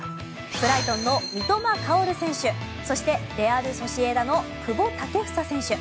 ブライトンの三笘薫選手そして、レアル・ソシエダの久保建英選手。